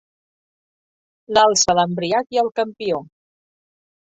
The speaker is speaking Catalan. L'alça l'embriac i el campió.